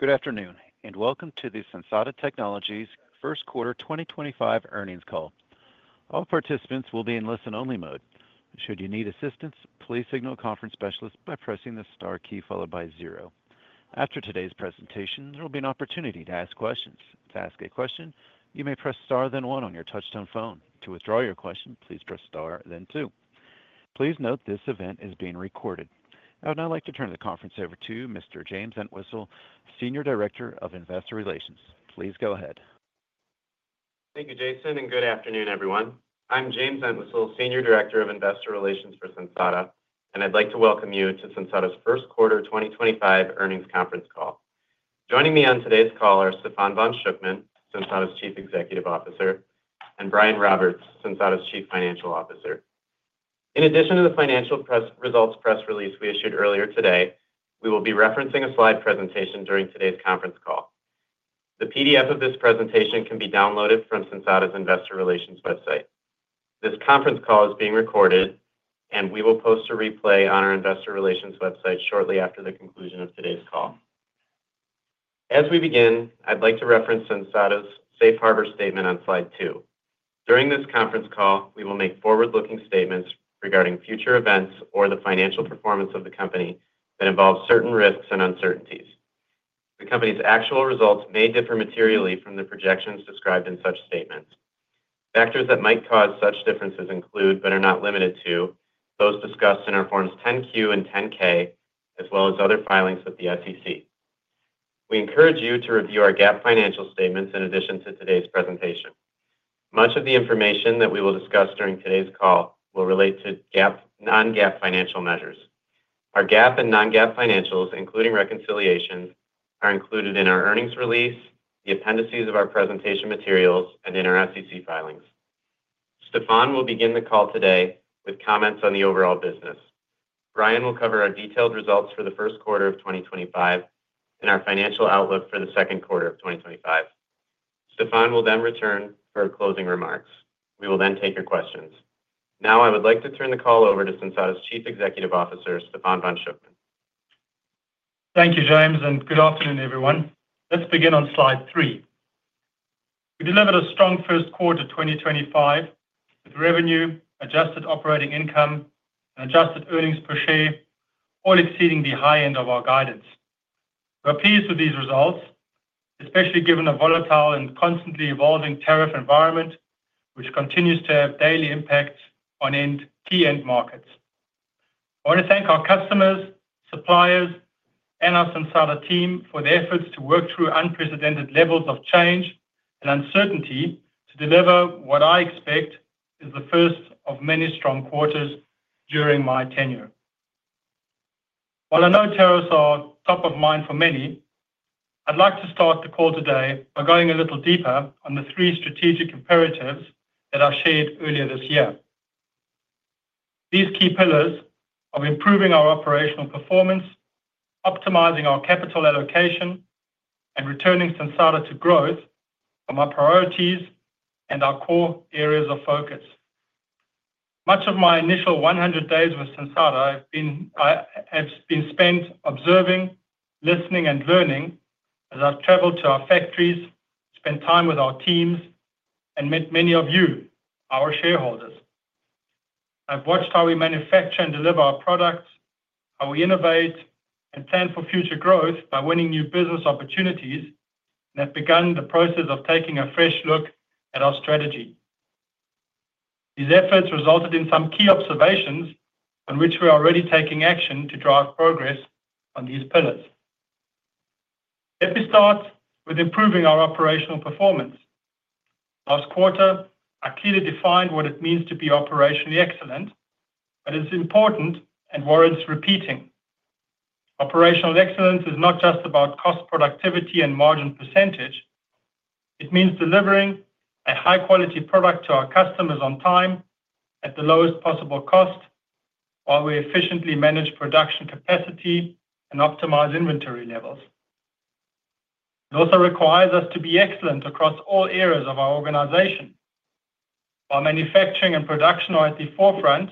Good afternoon, and welcome to the Sensata Technologies first quarter 2025 earnings call. All participants will be in listen-only mode. Should you need assistance, please signal a conference specialist by pressing the star key followed by zero. After today's presentation, there will be an opportunity to ask questions. To ask a question, you may press star then one on your touch-tone phone. To withdraw your question, please press star then two. Please note this event is being recorded. I would now like to turn the conference over to Mr. James Entwistle, Senior Director of Investor Relations. Please go ahead. Thank you, Jason, and good afternoon, everyone. I'm James Entwistle, Senior Director of Investor Relations for Sensata, and I'd like to welcome you to Sensata's first quarter 2025 earnings conference call. Joining me on today's call are Stephan von Schuckmann, Sensata's Chief Executive Officer, and Brian Roberts, Sensata's Chief Financial Officer. In addition to the financial results press release we issued earlier today, we will be referencing a slide presentation during today's conference call. The PDF of this presentation can be downloaded from Sensata's Investor Relations website. This conference call is being recorded, and we will post a replay on our Investor Relations website shortly after the conclusion of today's call. As we begin, I'd like to reference Sensata's Safe Harbor statement on slide two. During this conference call, we will make forward-looking statements regarding future events or the financial performance of the company that involve certain risks and uncertainties. The company's actual results may differ materially from the projections described in such statements. Factors that might cause such differences include, but are not limited to, those discussed in our Forms 10-Q and 10-K, as well as other filings with the SEC. We encourage you to review our GAAP financial statements in addition to today's presentation. Much of the information that we will discuss during today's call will relate to GAAP and non-GAAP financial measures. Our GAAP and non-GAAP financials, including reconciliations, are included in our earnings release, the appendices of our presentation materials, and in our SEC filings. Stephan will begin the call today with comments on the overall business. Brian will cover our detailed results for the first quarter of 2025 and our financial outlook for the second quarter of 2025. Stephan will then return for closing remarks. We will then take your questions. Now, I would like to turn the call over to Sensata's Chief Executive Officer, Stephan von Schuckmann. Thank you, James, and good afternoon, everyone. Let's begin on slide three. We delivered a strong first quarter 2025 with revenue, adjusted operating income, and adjusted earnings per share, all exceeding the high end of our guidance. We're pleased with these results, especially given the volatile and constantly evolving tariff environment, which continues to have daily impacts on key end markets. I want to thank our customers, suppliers, and our Sensata team for their efforts to work through unprecedented levels of change and uncertainty to deliver what I expect is the first of many strong quarters during my tenure. While I know tariffs are top of mind for many, I'd like to start the call today by going a little deeper on the three strategic imperatives that I shared earlier this year. These key pillars are improving our operational performance, optimizing our capital allocation, and returning Sensata to growth from our priorities and our core areas of focus. Much of my initial 100 days with Sensata have been spent observing, listening, and learning as I've traveled to our factories, spent time with our teams, and met many of you, our shareholders. I've watched how we manufacture and deliver our products, how we innovate and plan for future growth by winning new business opportunities, and have begun the process of taking a fresh look at our strategy. These efforts resulted in some key observations on which we are already taking action to drive progress on these pillars. Let me start with improving our operational performance. Last quarter, I clearly defined what it means to be operationally excellent, but it's important and warrants repeating. Operational excellence is not just about cost productivity and margin percentage. It means delivering a high-quality product to our customers on time at the lowest possible cost while we efficiently manage production capacity and optimize inventory levels. It also requires us to be excellent across all areas of our organization. While manufacturing and production are at the forefront,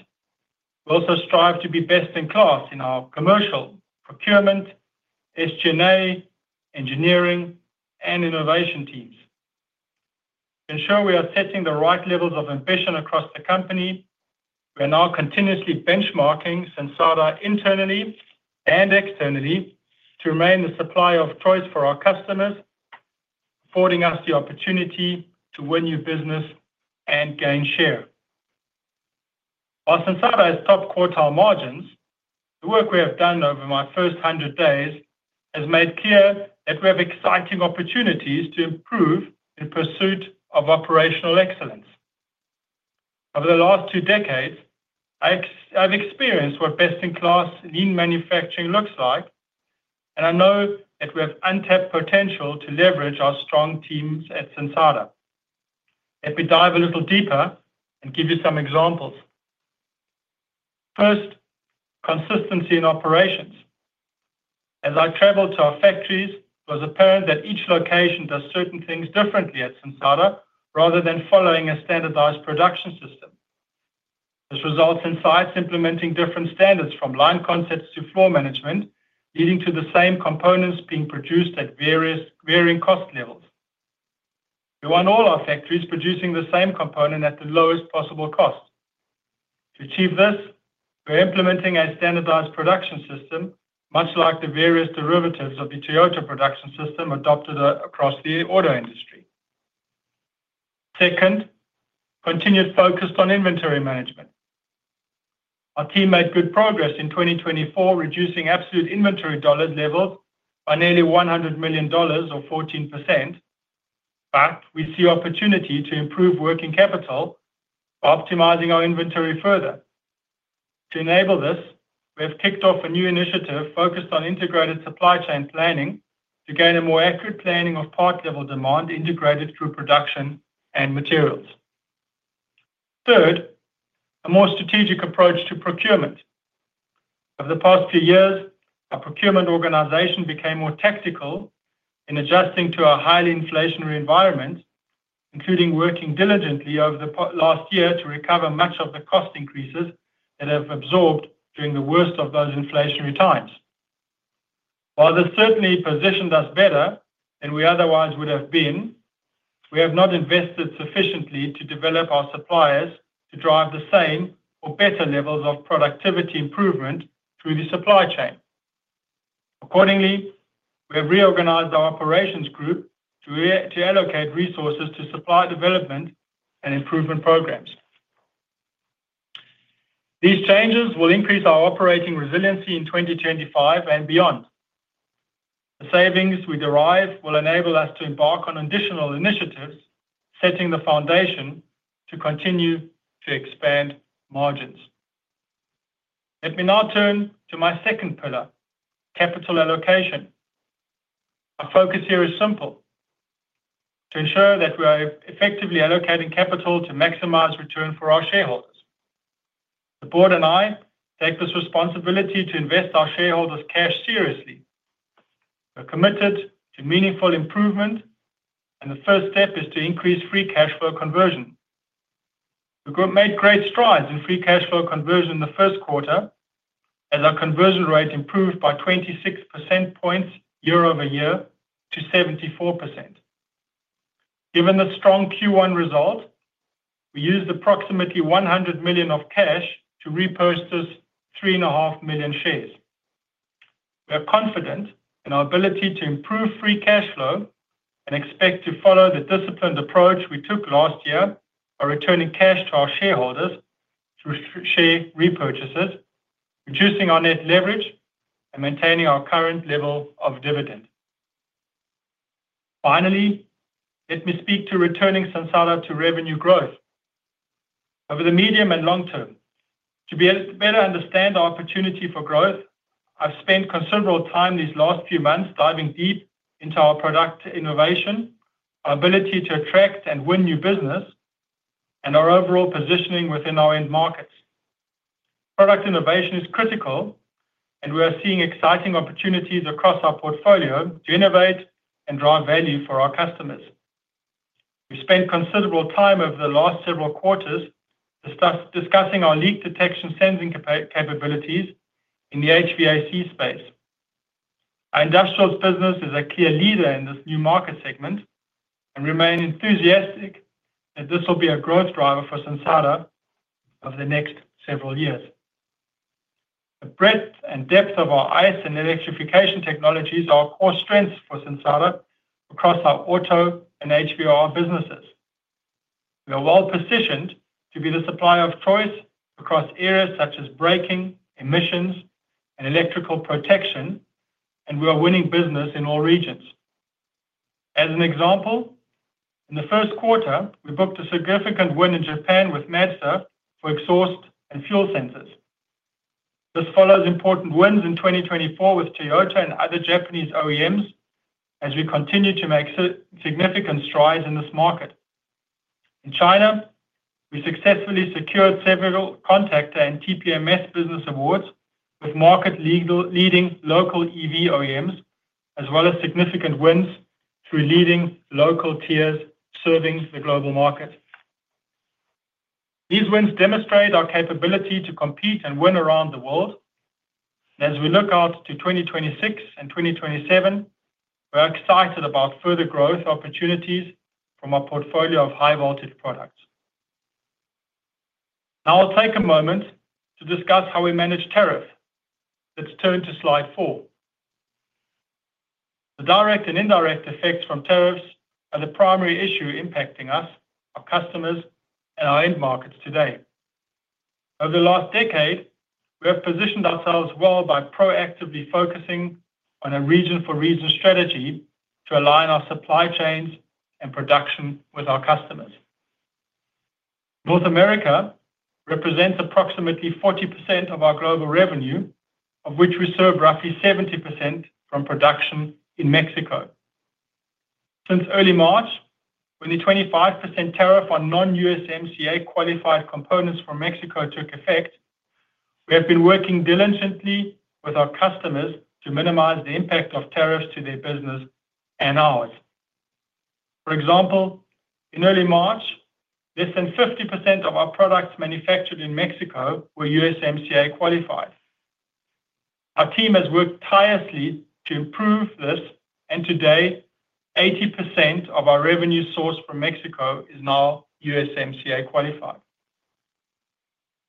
we also strive to be best in class in our commercial procurement, SG&A, engineering, and innovation teams. To ensure we are setting the right levels of ambition across the company, we are now continuously benchmarking Sensata internally and externally to remain the supplier of choice for our customers, affording us the opportunity to win new business and gain share. While Sensata has top quartile margins, the work we have done over my first 100 days has made clear that we have exciting opportunities to improve in pursuit of operational excellence. Over the last two decades, I've experienced what best-in-class lean manufacturing looks like, and I know that we have untapped potential to leverage our strong teams at Sensata. Let me dive a little deeper and give you some examples. First, consistency in operations. As I traveled to our factories, it was apparent that each location does certain things differently at Sensata rather than following a standardized production system. This results in sites implementing different standards from line concepts to floor management, leading to the same components being produced at varying cost levels. We want all our factories producing the same component at the lowest possible cost. To achieve this, we're implementing a standardized production system much like the various derivatives of the Toyota production system adopted across the auto industry. Second, continued focus on inventory management. Our team made good progress in 2024, reducing absolute inventory dollar levels by nearly $100 million, or 14%. In fact, we see opportunity to improve working capital by optimizing our inventory further. To enable this, we have kicked off a new initiative focused on integrated supply chain planning to gain a more accurate planning of part level demand integrated through production and materials. Third, a more strategic approach to procurement. Over the past few years, our procurement organization became more tactical in adjusting to our highly inflationary environment, including working diligently over the last year to recover much of the cost increases that have absorbed during the worst of those inflationary times. While this certainly positioned us better than we otherwise would have been, we have not invested sufficiently to develop our suppliers to drive the same or better levels of productivity improvement through the supply chain. Accordingly, we have reorganized our operations group to allocate resources to supply development and improvement programs. These changes will increase our operating resiliency in 2025 and beyond. The savings we derive will enable us to embark on additional initiatives, setting the foundation to continue to expand margins. Let me now turn to my second pillar, capital allocation. Our focus here is simple: to ensure that we are effectively allocating capital to maximize return for our shareholders. The Board and I take this responsibility to invest our shareholders' cash seriously. We're committed to meaningful improvement, and the first step is to increase free cash flow conversion. The group made great strides in free cash flow conversion in the first quarter, as our conversion rate improved by 26 percent points year-over-year to 74%. Given the strong Q1 result, we used approximately $100 million of cash to repurchase 3.5 million shares. We are confident in our ability to improve free cash flow and expect to follow the disciplined approach we took last year by returning cash to our shareholders through share repurchases, reducing our net leverage, and maintaining our current level of dividend. Finally, let me speak to returning Sensata to revenue growth over the medium and long term. To better understand our opportunity for growth, I've spent considerable time these last few months diving deep into our product innovation, our ability to attract and win new business, and our overall positioning within our end markets. Product innovation is critical, and we are seeing exciting opportunities across our portfolio to innovate and drive value for our customers. We spent considerable time over the last several quarters discussing our leak detection sensing capabilities in the HVAC space. Our industrials business is a clear leader in this new market segment and remains enthusiastic that this will be a growth driver for Sensata over the next several years. The breadth and depth of our ICE and electrification technologies are core strengths for Sensata across our auto and HVOR businesses. We are well positioned to be the supplier of choice across areas such as braking, emissions, and electrical protection, and we are winning business in all regions. As an example, in the first quarter, we booked a significant win in Japan with Mazda for exhaust and fuel sensors. This follows important wins in 2024 with Toyota and other Japanese OEMs as we continue to make significant strides in this market. In China, we successfully secured several contractor and TPMS business awards with market-leading local EV OEMs, as well as significant wins through leading local tiers serving the global market. These wins demonstrate our capability to compete and win around the world. As we look out to 2026 and 2027, we are excited about further growth opportunities from our portfolio of high-voltage products. Now, I'll take a moment to discuss how we manage tariffs. Let's turn to slide four. The direct and indirect effects from tariffs are the primary issue impacting us, our customers, and our end markets today. Over the last decade, we have positioned ourselves well by proactively focusing on a region-for-region strategy to align our supply chains and production with our customers. North America represents approximately 40% of our global revenue, of which we serve roughly 70% from production in Mexico. Since early March, when the 25% tariff on non-USMCA qualified components from Mexico took effect, we have been working diligently with our customers to minimize the impact of tariffs to their business and ours. For example, in early March, less than 50% of our products manufactured in Mexico were USMCA qualified. Our team has worked tirelessly to improve this, and today, 80% of our revenue sourced from Mexico is now USMCA qualified.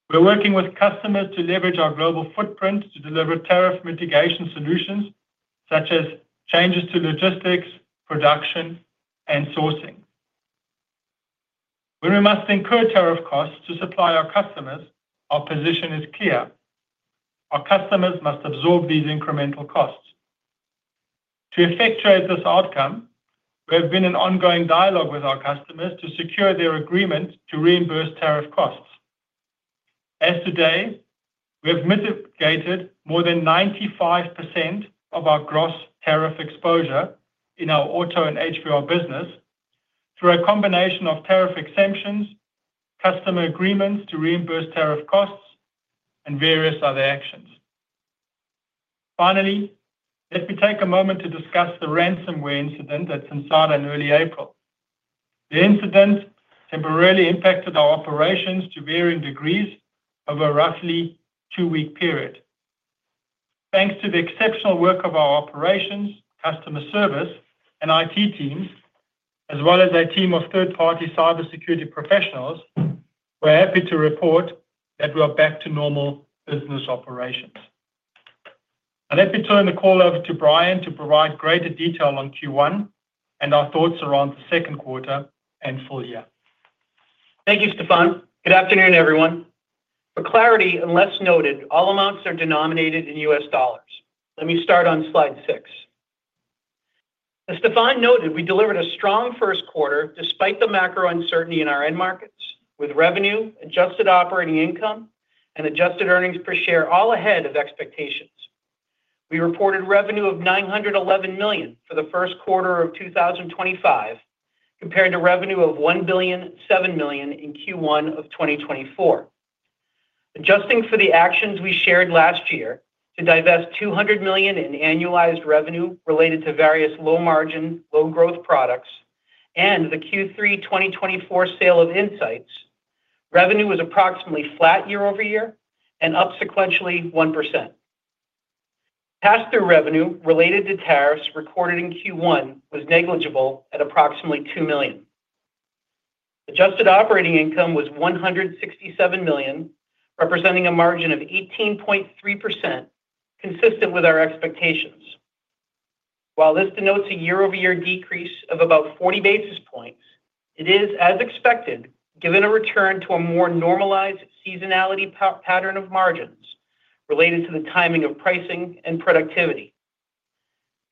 We're working with customers to leverage our global footprint to deliver tariff mitigation solutions such as changes to logistics, production, and sourcing. When we must incur tariff costs to supply our customers, our position is clear. Our customers must absorb these incremental costs. To effectuate this outcome, we have been in ongoing dialogue with our customers to secure their agreement to reimburse tariff costs. As of today, we have mitigated more than 95% of our gross tariff exposure in our auto and HVOR business through a combination of tariff exemptions, customer agreements to reimburse tariff costs, and various other actions. Finally, let me take a moment to discuss the ransomware incident at Sensata in early April. The incident temporarily impacted our operations to varying degrees over a roughly two-week period. Thanks to the exceptional work of our operations, customer service, and IT teams, as well as a team of third-party cybersecurity professionals, we're happy to report that we are back to normal business operations. I'd like to turn the call over to Brian to provide greater detail on Q1 and our thoughts around the second quarter and full year. Thank you, Stephan. Good afternoon, everyone. For clarity unless noted, all amounts are denominated in US dollars. Let me start on slide six. As Stephan noted, we delivered a strong first quarter despite the macro uncertainty in our end markets, with revenue, adjusted operating income, and adjusted earnings per share all ahead of expectations. We reported revenue of $911 million for the first quarter of 2025, compared to revenue of $1,007,000,000 in Q1 of 2024. Adjusting for the actions we shared last year to divest $200 million in annualized revenue related to various low-margin, low-growth products and the Q3 2024 sale of INSIGHTS, revenue was approximately flat year-over-year and up sequentially 1%. Pass-through revenue related to tariffs recorded in Q1 was negligible at approximately $2 million. Adjusted operating income was $167 million, representing a margin of 18.3%, consistent with our expectations. While this denotes a year-over-year decrease of about 40 basis points, it is, as expected, given a return to a more normalized seasonality pattern of margins related to the timing of pricing and productivity.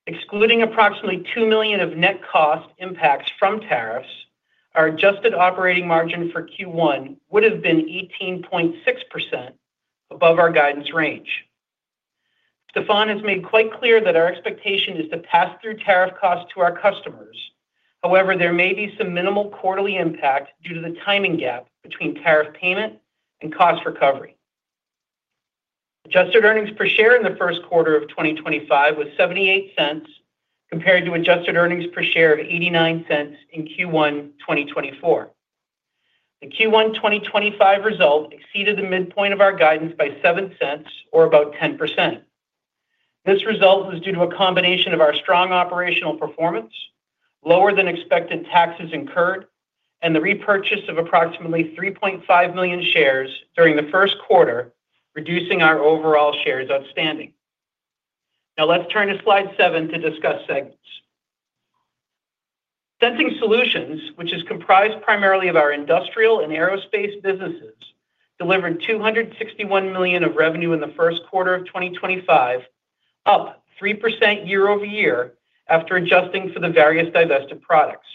Excluding approximately $2 million of net cost impacts from tariffs, our adjusted operating margin for Q1 would have been 18.6% above our guidance range. Stephan has made quite clear that our expectation is to pass through tariff costs to our customers. However, there may be some minimal quarterly impact due to the timing gap between tariff payment and cost recovery. Adjusted earnings per share in the first quarter of 2025 was $0.78, compared to adjusted earnings per share of $0.89 in Q1 2024. The Q1 2025 result exceeded the midpoint of our guidance by $0.07, or about 10%. This result was due to a combination of our strong operational performance, lower-than-expected taxes incurred, and the repurchase of approximately 3.5 million shares during the first quarter, reducing our overall shares outstanding. Now, let's turn to slide seven to discuss segments. Sensing Solutions, which is comprised primarily of our industrial and aerospace businesses, delivered $261 million of revenue in the first quarter of 2025, up 3% year-over-year after adjusting for the various divested products.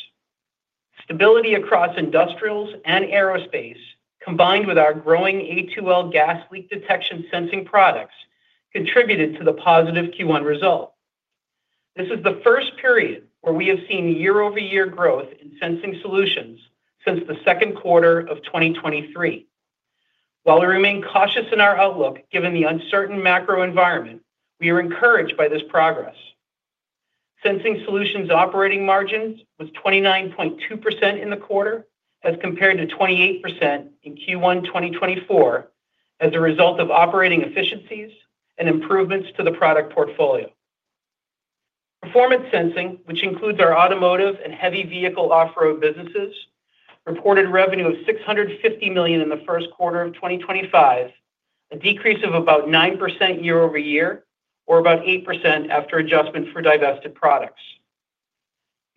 Stability across industrials and aerospace, combined with our growing A2L gas leak detection sensing products, contributed to the positive Q1 result. This is the first period where we have seen year-over-year growth in Sensing Solutions since the second quarter of 2023. While we remain cautious in our outlook given the uncertain macro environment, we are encouraged by this progress. Sensing Solutions' operating margins were 29.2% in the quarter, as compared to 28% in Q1 2024, as a result of operating efficiencies and improvements to the product portfolio. Performance sensing, which includes our automotive and heavy vehicle off-road businesses, reported revenue of $650 million in the first quarter of 2025, a decrease of about 9% year-over-year, or about 8% after adjustment for divested products.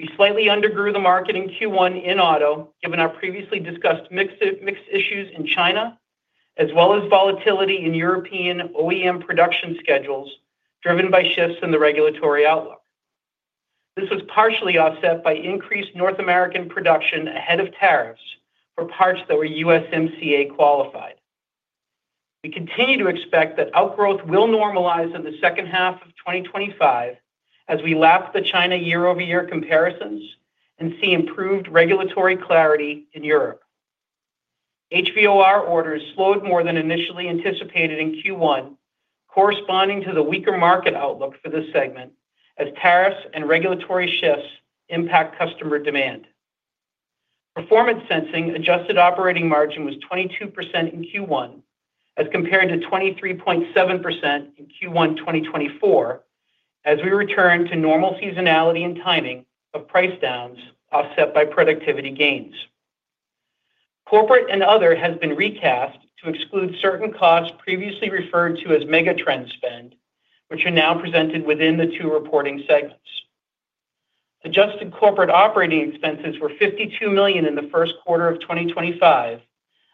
We slightly undergrew the market in Q1 in auto, given our previously discussed mixed issues in China, as well as volatility in European OEM production schedules driven by shifts in the regulatory outlook. This was partially offset by increased North American production ahead of tariffs for parts that were USMCA qualified. We continue to expect that outgrowth will normalize in the second half of 2025 as we lap the China year-over-year comparisons and see improved regulatory clarity in Europe. HVOR orders slowed more than initially anticipated in Q1, corresponding to the weaker market outlook for this segment as tariffs and regulatory shifts impact customer demand. Performance sensing adjusted operating margin was 22% in Q1, as compared to 23.7% in Q1 2024, as we returned to normal seasonality and timing of price downs offset by productivity gains. Corporate and other has been recast to exclude certain costs previously referred to as megatrend spend, which are now presented within the two reporting segments. Adjusted corporate operating expenses were $52 million in the first quarter of 2025,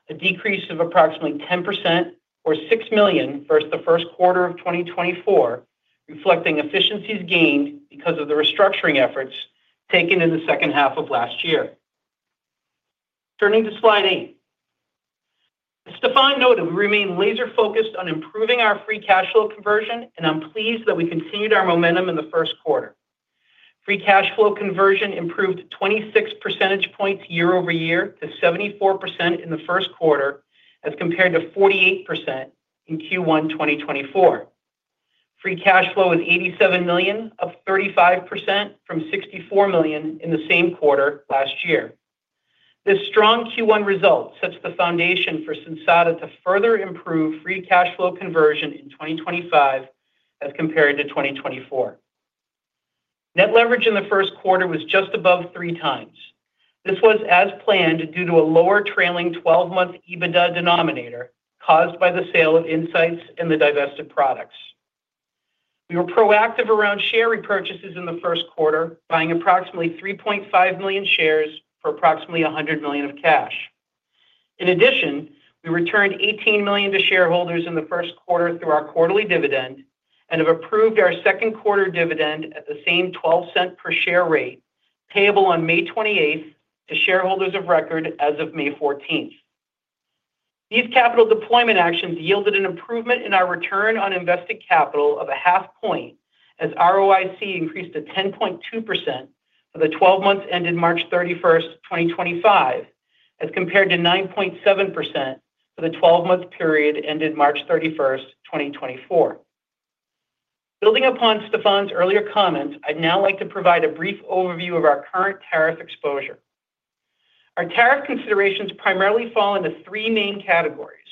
a decrease of approximately 10%, or $6 million versus the first quarter of 2024, reflecting efficiencies gained because of the restructuring efforts taken in the second half of last year. Turning to slide eight, Stephan noted we remain laser-focused on improving our free cash flow conversion, and I'm pleased that we continued our momentum in the first quarter. Free cash flow conversion improved 26 percent points year-over-year to 74% in the first quarter, as compared to 48% in Q1 2024. Free cash flow was $87 million, up 35% from $64 million in the same quarter last year. This strong Q1 result sets the foundation for Sensata to further improve free cash flow conversion in 2025 as compared to 2024. Net leverage in the first quarter was just above three times. This was as planned due to a lower trailing 12-month EBITDA denominator caused by the sale of INSIGHTS and the divested products. We were proactive around share repurchases in the first quarter, buying approximately 3.5 million shares for approximately $100 million of cash. In addition, we returned $18 million to shareholders in the first quarter through our quarterly dividend and have approved our second quarter dividend at the same $0.12 per share rate, payable on May 28th to shareholders of record as of May 14th. These capital deployment actions yielded an improvement in our return on invested capital of a half point as ROIC increased to 10.2% for the 12 months ended March 31st, 2025, as compared to 9.7% for the 12-month period ended March 31st, 2024. Building upon Stephan's earlier comments, I'd now like to provide a brief overview of our current tariff exposure. Our tariff considerations primarily fall into three main categories: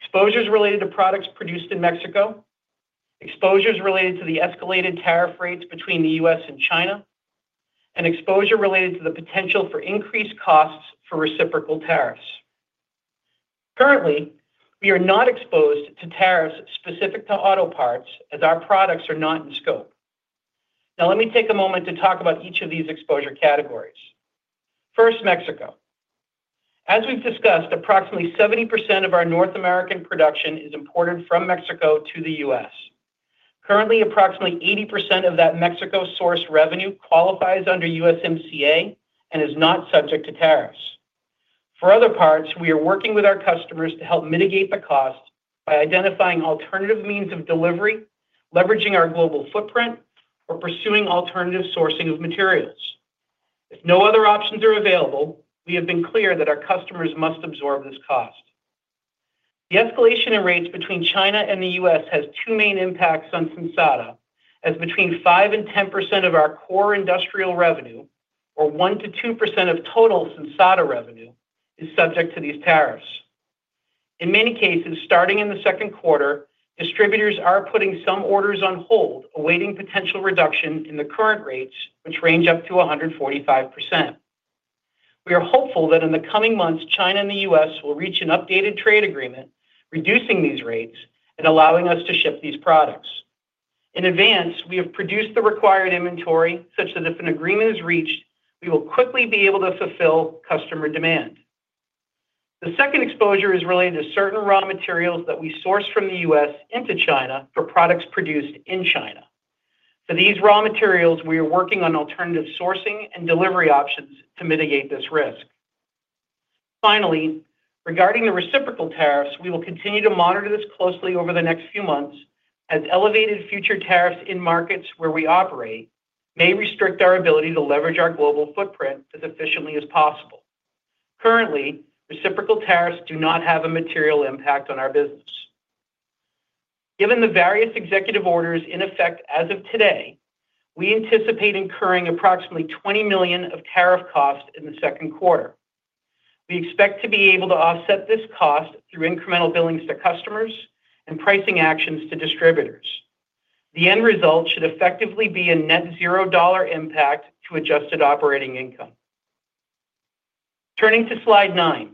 exposures related to products produced in Mexico, exposures related to the escalated tariff rates between the U.S. and China, and exposure related to the potential for increased costs for reciprocal tariffs. Currently, we are not exposed to tariffs specific to auto parts as our products are not in scope. Now, let me take a moment to talk about each of these exposure categories. First, Mexico. As we've discussed, approximately 70% of our North American production is imported from Mexico to the U.S. Currently, approximately 80% of that Mexico-sourced revenue qualifies under USMCA and is not subject to tariffs. For other parts, we are working with our customers to help mitigate the cost by identifying alternative means of delivery, leveraging our global footprint, or pursuing alternative sourcing of materials. If no other options are available, we have been clear that our customers must absorb this cost. The escalation in rates between China and the U.S. has two main impacts on Sensata, as between 5% and 10% of our core industrial revenue, or 1% to 2% of total Sensata revenue, is subject to these tariffs. In many cases, starting in the second quarter, distributors are putting some orders on hold, awaiting potential reduction in the current rates, which range up to 145%. We are hopeful that in the coming months, China and the U.S. will reach an updated trade agreement, reducing these rates and allowing us to ship these products. In advance, we have produced the required inventory, such that if an agreement is reached, we will quickly be able to fulfill customer demand. The second exposure is related to certain raw materials that we source from the U.S. into China for products produced in China. For these raw materials, we are working on alternative sourcing and delivery options to mitigate this risk. Finally, regarding the reciprocal tariffs, we will continue to monitor this closely over the next few months, as elevated future tariffs in markets where we operate may restrict our ability to leverage our global footprint as efficiently as possible. Currently, reciprocal tariffs do not have a material impact on our business. Given the various executive orders in effect as of today, we anticipate incurring approximately $20 million of tariff costs in the second quarter. We expect to be able to offset this cost through incremental billings to customers and pricing actions to distributors. The end result should effectively be a net-zero dollar impact to adjusted operating income. Turning to slide nine,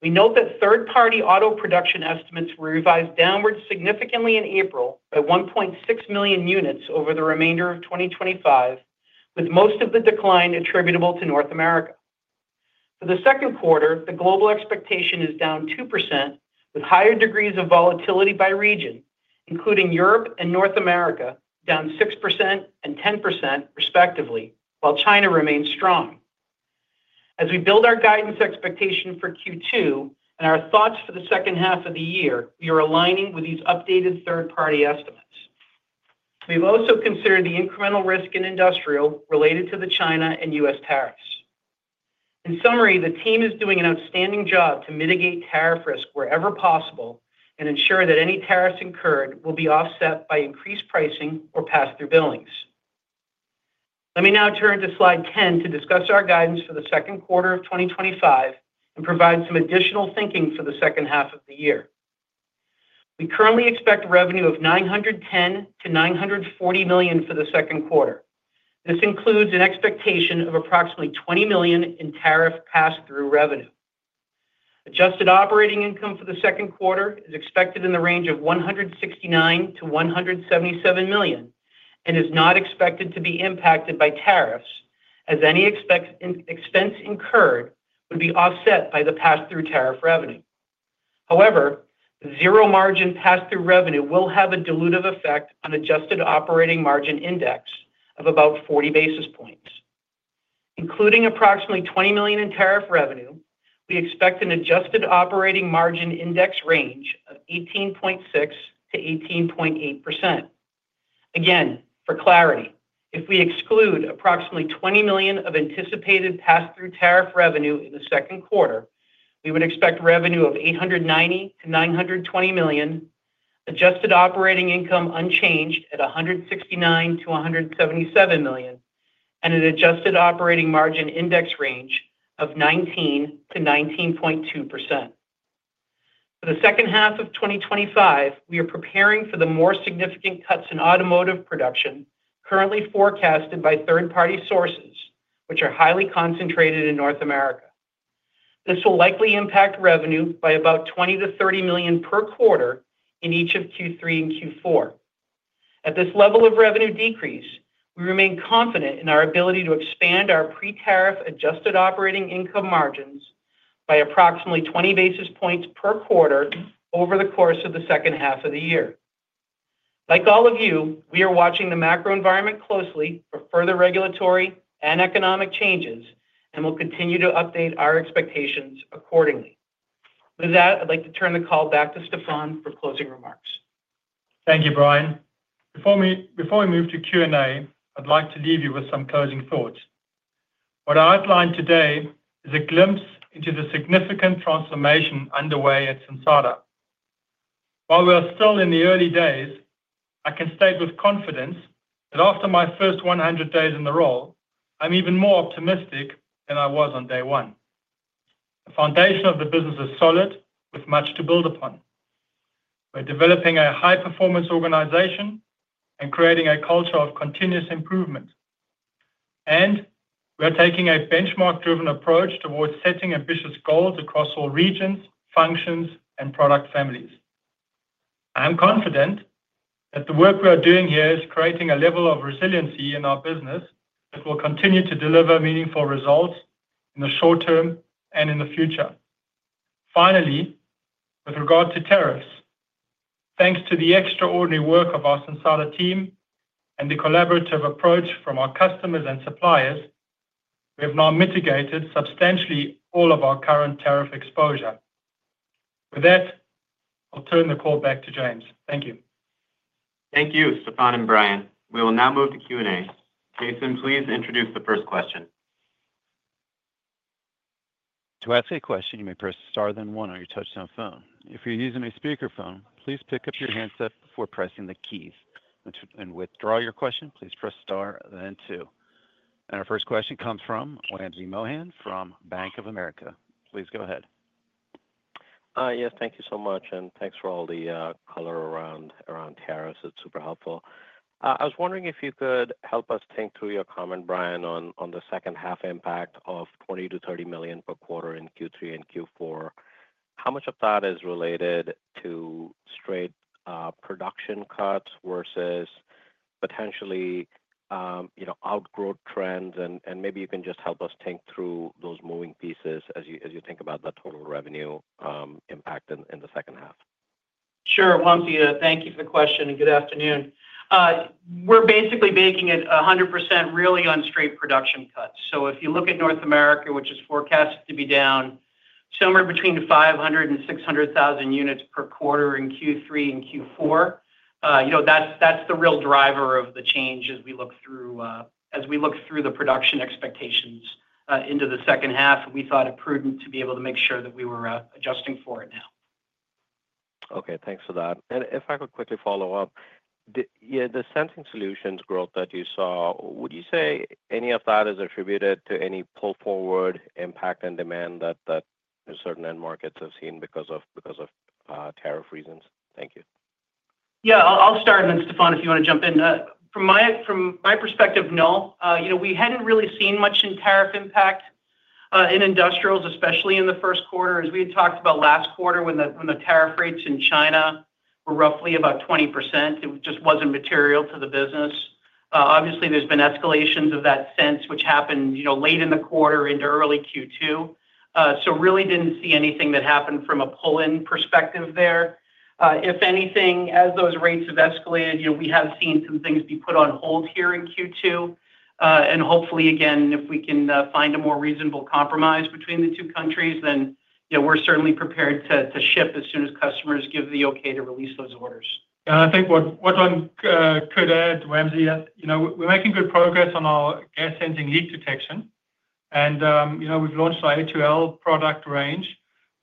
we note that third-party auto production estimates were revised downward significantly in April by 1.6 million units over the remainder of 2025, with most of the decline attributable to North America. For the second quarter, the global expectation is down 2%, with higher degrees of volatility by region, including Europe and North America, down 6% and 10%, respectively, while China remains strong. As we build our guidance expectation for Q2 and our thoughts for the second half of the year, we are aligning with these updated third-party estimates. We've also considered the incremental risk in industrial related to the China and U.S. tariffs. In summary, the team is doing an outstanding job to mitigate tariff risk wherever possible and ensure that any tariffs incurred will be offset by increased pricing or pass-through billings. Let me now turn to slide 10 to discuss our guidance for the second quarter of 2025 and provide some additional thinking for the second half of the year. We currently expect revenue of $910 million to $940 million for the second quarter. This includes an expectation of approximately $20 million in tariff pass-through revenue. Adjusted operating income for the second quarter is expected in the range of $169 million to $177 million and is not expected to be impacted by tariffs, as any expense incurred would be offset by the pass-through tariff revenue. However, the zero-margin pass-through revenue will have a dilutive effect on adjusted operating margin index of about 40 basis points. Including approximately $20 million in tariff revenue, we expect an adjusted operating margin index range of 18.6% to 18.8%. Again, for clarity, if we exclude approximately $20 million of anticipated pass-through tariff revenue in the second quarter, we would expect revenue of $890 million to $920 million, adjusted operating income unchanged at $169 million to $177 million, and an adjusted operating margin index range of 19% to 19.2%. For the second half of 2025, we are preparing for the more significant cuts in automotive production, currently forecasted by third-party sources, which are highly concentrated in North America. This will likely impact revenue by about $20 million to $30 million per quarter in each of Q3 and Q4. At this level of revenue decrease, we remain confident in our ability to expand our pre-tariff adjusted operating income margins by approximately 20 basis points per quarter over the course of the second half of the year. Like all of you, we are watching the macro environment closely for further regulatory and economic changes and will continue to update our expectations accordingly. With that, I'd like to turn the call back to Stephan for closing remarks. Thank you, Brian. Before we move to Q&A, I'd like to leave you with some closing thoughts. What I outlined today is a glimpse into the significant transformation underway at Sensata. While we are still in the early days, I can state with confidence that after my first 100 days in the role, I'm even more optimistic than I was on day one. The foundation of the business is solid, with much to build upon. We're developing a high-performance organization and creating a culture of continuous improvement. We are taking a benchmark-driven approach towards setting ambitious goals across all regions, functions, and product families. I am confident that the work we are doing here is creating a level of resiliency in our business that will continue to deliver meaningful results in the short term and in the future. Finally, with regard to tariffs, thanks to the extraordinary work of our Sensata team and the collaborative approach from our customers and suppliers, we have now mitigated substantially all of our current tariff exposure. With that, I'll turn the call back to James. Thank you. Thank you, Stephan and Brian. We will now move to Q&A. Jason, please introduce the first question. To ask a question, you may press star then one on your touch-tone phone. If you're using a speakerphone, please pick up your handset before pressing the keys. To withdraw your question, please press star then two. Our first question comes from Wamsi Mohan from Bank of America. Please go ahead. Yes, thank you so much. Thanks for all the color around tariffs. It's super helpful. I was wondering if you could help us think through your comment, Brian, on the second-half impact of $20 million to $30 million per quarter in Q3 and Q4. How much of that is related to straight production cuts versus potentially outgrowth trends? Maybe you can just help us think through those moving pieces as you think about the total revenue impact in the second half. Sure, Wamsi, thank you for the question. Good afternoon. We're basically baking at 100% really on straight production cuts. If you look at North America, which is forecasted to be down somewhere between 500,000 and 600,000 units per quarter in Q3 and Q4, that's the real driver of the change as we look through the production expectations into the second half. We thought it prudent to be able to make sure that we were adjusting for it now. Okay, thanks for that. If I could quickly follow up, the Sensing Solutions growth that you saw, would you say any of that is attributed to any pull-forward impact on demand that certain end markets have seen because of tariff reasons? Thank you. Yeah, I'll start, and then Stephan, if you want to jump in. From my perspective, no. We hadn't really seen much in tariff impact in industrials, especially in the first quarter. As we had talked about last quarter when the tariff rates in China were roughly about 20%, it just wasn't material to the business. Obviously, there's been escalations of that since, which happened late in the quarter into early Q2. Really didn't see anything that happened from a pull-in perspective there. If anything, as those rates have escalated, we have seen some things be put on hold here in Q2. Hopefully, again, if we can find a more reasonable compromise between the two countries, then we're certainly prepared to ship as soon as customers give the okay to release those orders. I think what I could add, Wamsi, we're making good progress on our gas sensing leak detection. We've launched our A2L product range.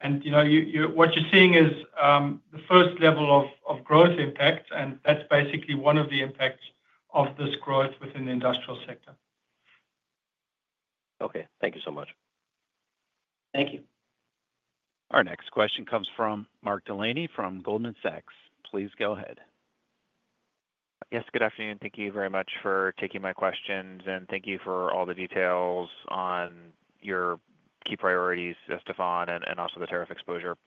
What you're seeing is the first level of growth impact, and that's basically one of the impacts of this growth within the industrial sector. Okay, thank you so much. Thank you. Our next question comes from Mark Delaney from Goldman Sachs. Please go ahead. Yes, good afternoon. Thank you very much for taking my questions, and thank you for all the details on your key priorities, Stephan, and also the tariff exposure.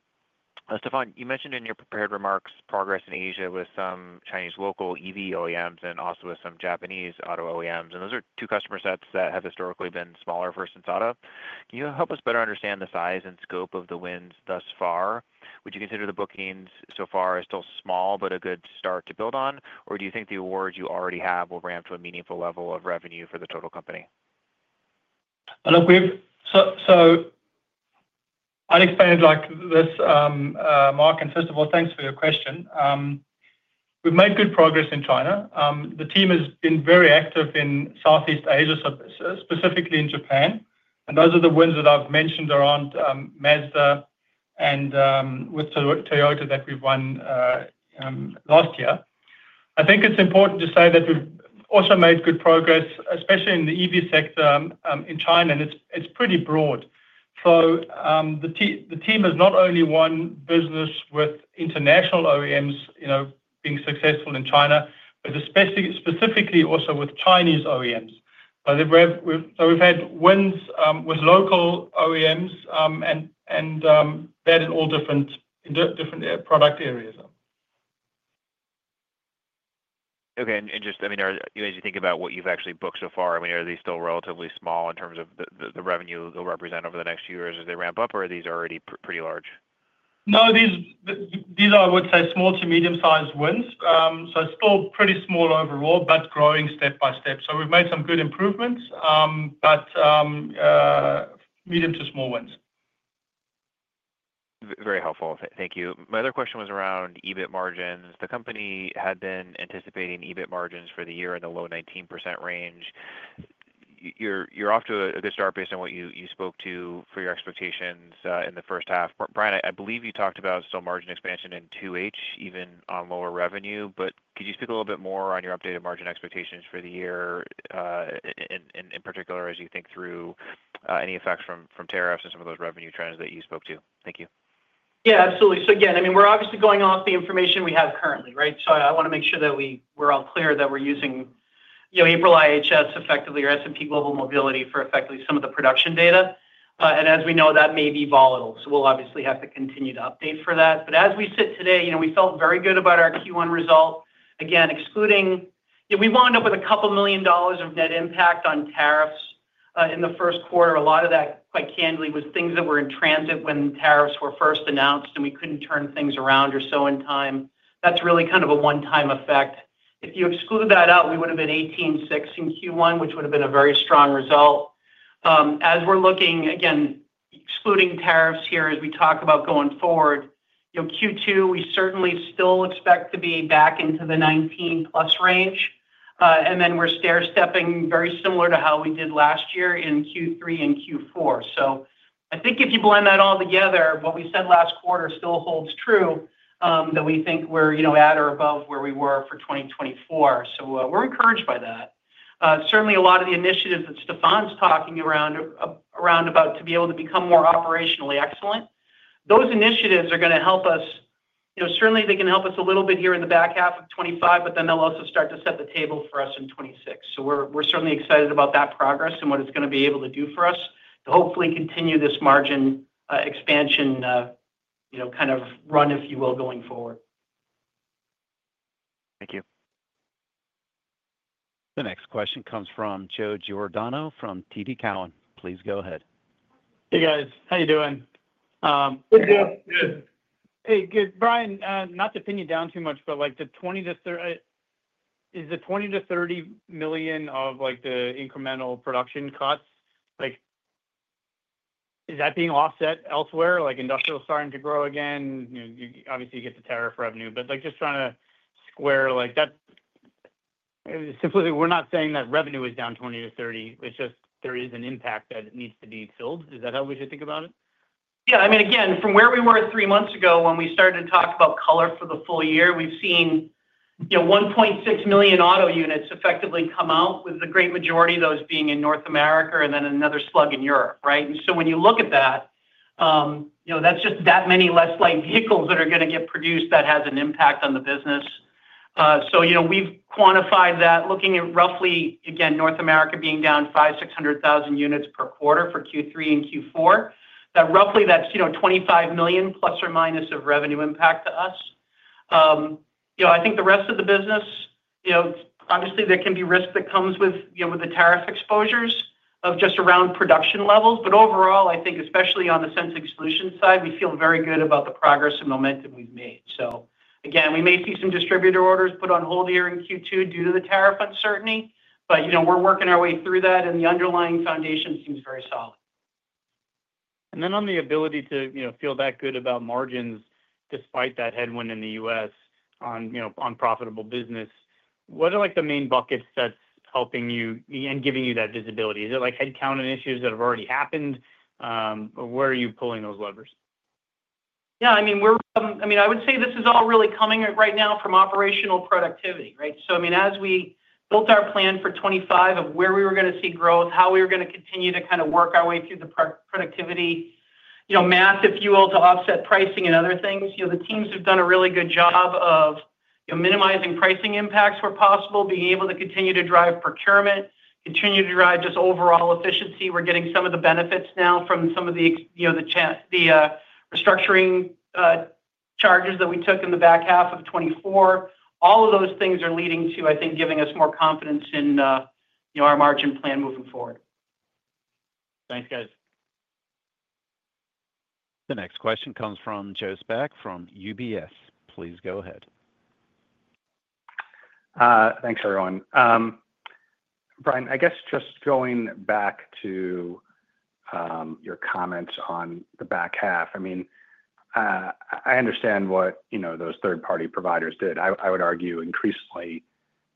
Stephan, you mentioned in your prepared remarks progress in Asia with some Chinese local EV OEMs and also with some Japanese auto OEMs. Those are two customer sets that have historically been smaller for Sensata. Can you help us better understand the size and scope of the wins thus far? Would you consider the bookings so far as still small but a good start to build on? Or do you think the awards you already have will ramp to a meaningful level of revenue for the total company? I look, we've, so I'd expand like this, Mark. First of all, thanks for your question. We've made good progress in China. The team has been very active in Southeast Asia, specifically in Japan. Those are the wins that I've mentioned around Mazda and with Toyota that we've won last year. I think it's important to say that we've also made good progress, especially in the EV sector in China, and it's pretty broad. The team has not only won business with international OEMs being successful in China, but specifically also with Chinese OEMs. We've had wins with local OEMs and that in all different product areas. Okay. Just, I mean, as you think about what you've actually booked so far, I mean, are these still relatively small in terms of the revenue they'll represent over the next few years as they ramp up, or are these already pretty large? No, these are, I would say, small to medium-sized wins. Still pretty small overall, but growing step by step. We've made some good improvements, but medium to small wins. Very helpful. Thank you. My other question was around EBIT margins. The company had been anticipating EBIT margins for the year in the low 19% range. You're off to a good start based on what you spoke to for your expectations in the first half. Brian, I believe you talked about some margin expansion in 2H, even on lower revenue. Could you speak a little bit more on your updated margin expectations for the year, in particular, as you think through any effects from tariffs and some of those revenue trends that you spoke to? Thank you. Yeah, absolutely. Again, I mean, we're obviously going off the information we have currently, right? I want to make sure that we're all clear that we're using April IHS, effectively, or S&P Global Mobility for effectively some of the production data. As we know, that may be volatile. We'll obviously have to continue to update for that. As we sit today, we felt very good about our Q1 result. Again, excluding, we wound up with a couple million dollars of net impact on tariffs in the first quarter. A lot of that, quite candidly, was things that were in transit when tariffs were first announced, and we could not turn things around or so in time. That is really kind of a one-time effect. If you exclude that out, we would have been 18.6% in Q1, which would have been a very strong result. As we are looking, again, excluding tariffs here as we talk about going forward, Q2, we certainly still expect to be back into the 19%+ range. We are stair-stepping very similar to how we did last year in Q3 and Q4. I think if you blend that all together, what we said last quarter still holds true that we think we are at or above where we were for 2024. We are encouraged by that. Certainly, a lot of the initiatives that Stephan's talking around about to be able to become more operationally excellent, those initiatives are going to help us. Certainly, they can help us a little bit here in the back half of 2025, but then they'll also start to set the table for us in 2026. So we're certainly excited about that progress and what it's going to be able to do for us to hopefully continue this margin expansion kind of run, if you will, going forward. Thank you. The next question comes from Joe Giordano from TD Cowen. Please go ahead. Hey, guys. How you doing? Good. Good. Hey, good. Brian, not to pin you down too much, but is the $20 million to $30 million of the incremental production cuts, is that being offset elsewhere? Industrial is starting to grow again. Obviously, you get the tariff revenue. Just trying to square that simply, we're not saying that revenue is down $20 million to $30 million. It's just there is an impact that needs to be filled. Is that how we should think about it? Yeah. I mean, again, from where we were three months ago when we started to talk about color for the full year, we've seen 1.6 million auto units effectively come out, with the great majority of those being in North America and then another slug in Europe, right? When you look at that, that's just that many less light vehicles that are going to get produced that has an impact on the business. We've quantified that looking at roughly, again, North America being down 500,000 to 600,000 units per quarter for Q3 and Q4. That roughly, that's $25 million plus or minus of revenue impact to us. I think the rest of the business, obviously, there can be risk that comes with the tariff exposures of just around production levels. Overall, I think, especially on the Sensing Solution side, we feel very good about the progress and momentum we've made. Again, we may see some distributor orders put on hold here in Q2 due to the tariff uncertainty, but we're working our way through that, and the underlying foundation seems very solid. On the ability to feel that good about margins despite that headwind in the U.S. on profitable business, what are the main buckets that's helping you and giving you that visibility? Is it headcount and issues that have already happened, or where are you pulling those levers? Yeah. I mean, I would say this is all really coming right now from operational productivity, right? I mean, as we built our plan for 2025 of where we were going to see growth, how we were going to continue to kind of work our way through the productivity, massive fuel to offset pricing and other things, the teams have done a really good job of minimizing pricing impacts where possible, being able to continue to drive procurement, continue to drive just overall efficiency. We're getting some of the benefits now from some of the restructuring charges that we took in the back half of 2024. All of those things are leading to, I think, giving us more confidence in our margin plan moving forward. Thanks, guys. The next question comes from Joe Spak from UBS. Please go ahead. Thanks, everyone. Brian, I guess just going back to your comments on the back half, I mean, I understand what those third-party providers did. I would argue increasingly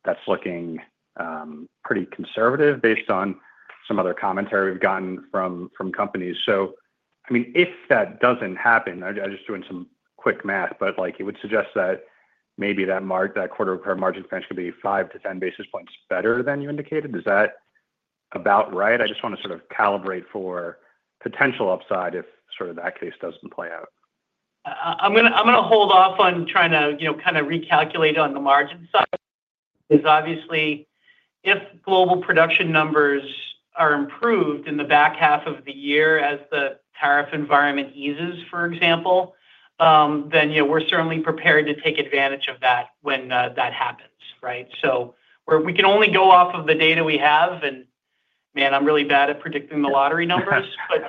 that's looking pretty conservative based on some other commentary we've gotten from companies. I mean, if that doesn't happen, I'm just doing some quick math, but it would suggest that maybe that quarter-per-margin expense could be 5 basis points to 10 basis points better than you indicated. Is that about right? I just want to sort of calibrate for potential upside if sort of that case doesn't play out. I'm going to hold off on trying to kind of recalculate on the margin side because obviously, if global production numbers are improved in the back half of the year as the tariff environment eases, for example, then we're certainly prepared to take advantage of that when that happens, right? We can only go off of the data we have. Man, I'm really bad at predicting the lottery numbers, but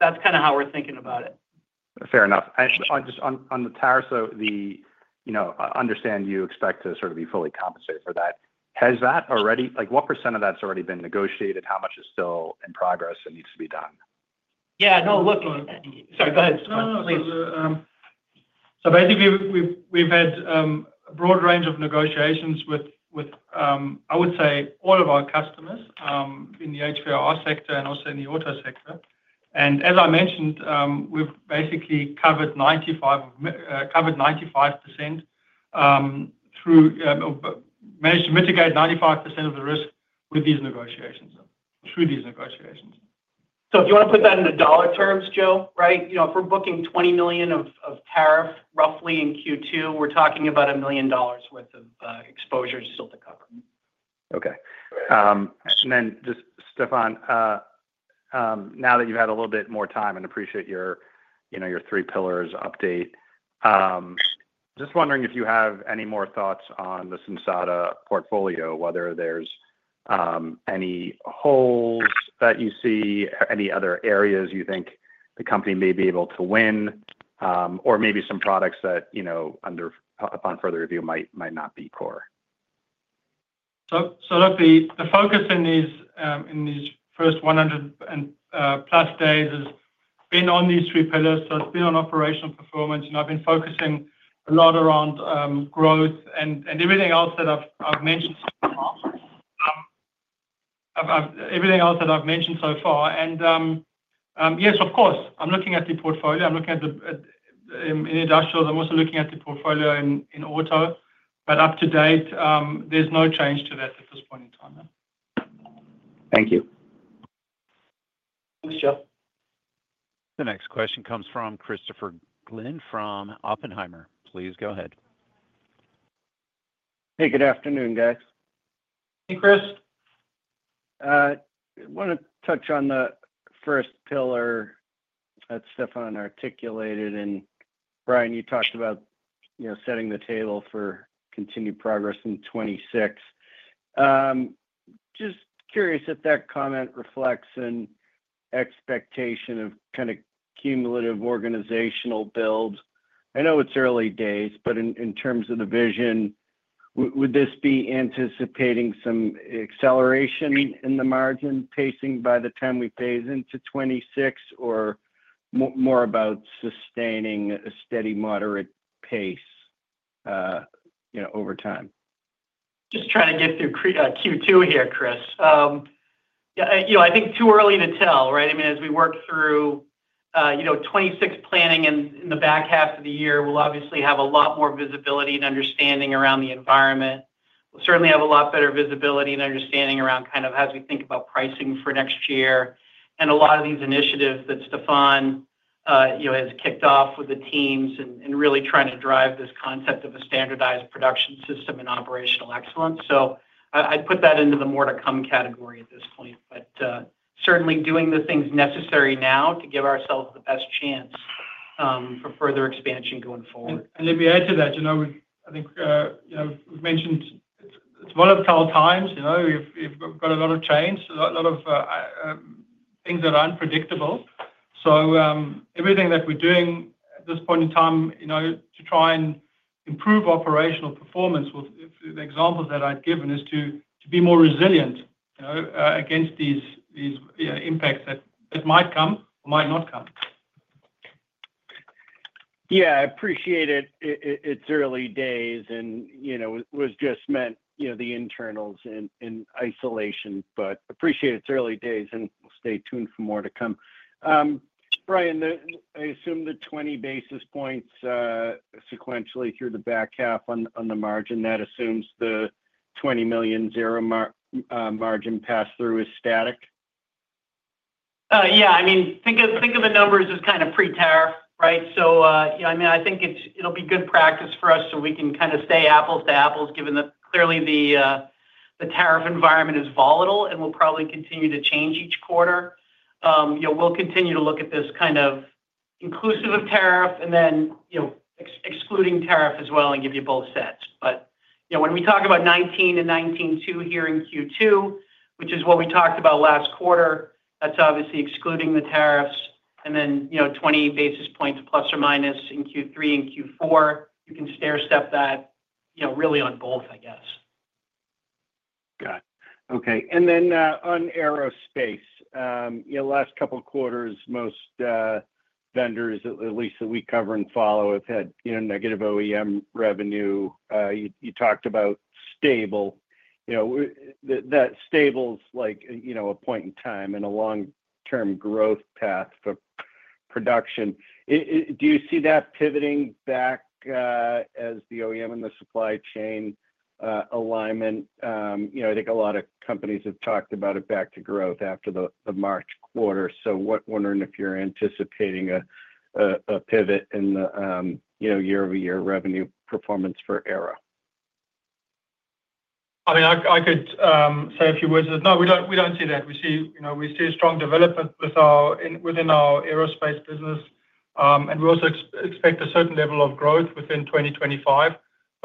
that's kind of how we're thinking about it. Fair enough. Just on the tariff, so to understand, you expect to sort of be fully compensated for that. Has that already, what percent of that's already been negotiated? How much is still in progress and needs to be done? Yeah. No, look. Sorry, go ahead. No, no, no. Basically, we've had a broad range of negotiations with, I would say, all of our customers in the HVOR sector and also in the auto sector. As I mentioned, we've basically covered 95% or managed to mitigate 95% of the risk with these negotiations. If you want to put that in dollar terms, Joe, right, if we're booking $20 million of tariff roughly in Q2, we're talking about $1 million worth of exposures still to cover. Okay. Stephan, now that you've had a little bit more time and appreciate your three pillars update, just wondering if you have any more thoughts on the Sensata portfolio, whether there's any holes that you see, any other areas you think the company may be able to win, or maybe some products that upon further review might not be core? Look, the focus in these first 100-plus days has been on these three pillars. It's been on operational performance. I've been focusing a lot around growth and everything else that I've mentioned so far. And yes, of course, I'm looking at the portfolio. I'm looking at the industrials. I'm also looking at the portfolio in auto. Up to date, there's no change to that at this point in time. Thank you. Thanks, Joe. The next question comes from Christopher Glynn from Oppenheimer. Please go ahead. Hey, good afternoon, guys. Hey, Chris. I want to touch on the first pillar that Stephan articulated. Brian, you talked about setting the table for continued progress in 2026. Just curious if that comment reflects an expectation of kind of cumulative organizational build? I know it's early days, but in terms of the vision, would this be anticipating some acceleration in the margin pacing by the time we phase into 2026, or more about sustaining a steady moderate pace over time? Just trying to get through Q2 here, Chris. Yeah, I think too early to tell, right? I mean, as we work through 2026 planning in the back half of the year, we'll obviously have a lot more visibility and understanding around the environment. We'll certainly have a lot better visibility and understanding around kind of as we think about pricing for next year and a lot of these initiatives that Stephan has kicked off with the teams and really trying to drive this concept of a standardized production system and operational excellence. I'd put that into the more to come category at this point, but certainly doing the things necessary now to give ourselves the best chance for further expansion going forward. Let me add to that. I think we've mentioned it one of our times. We've got a lot of change, a lot of things that are unpredictable. Everything that we're doing at this point in time to try and improve operational performance with the examples that I've given is to be more resilient against these impacts that might come or might not come. Yeah. I appreciate it. It's early days and was just meant the internals in isolation, but appreciate it's early days and stay tuned for more to come. Brian, I assume the 20 basis points sequentially through the back half on the margin, that assumes the $20 million zero margin pass-through is static? Yeah. I mean, think of the numbers as kind of pre-tariff, right? I think it'll be good practice for us so we can kind of stay apples to apples given that clearly the tariff environment is volatile and will probably continue to change each quarter. We'll continue to look at this kind of inclusive of tariff and then excluding tariff as well and give you both sets. When we talk about 19 and 19.2 too here in Q2, which is what we talked about last quarter, that's obviously excluding the tariffs. Then 20 basis points plus or minus in Q3 and Q4, you can stair-step that really on both, I guess. Got it. Okay. On aerospace, last couple of quarters, most vendors, at least that we cover and follow, have had negative OEM revenue. You talked about stable. That stable's a point in time and a long-term growth path for production. Do you see that pivoting back as the OEM and the supply chain alignment? I think a lot of companies have talked about it back to growth after the March quarter. Wondering if you're anticipating a pivot in the year-over-year revenue performance for aero? I mean, I could say a few words of no, we don't see that. We see a strong development within our aerospace business. We also expect a certain level of growth within 2025.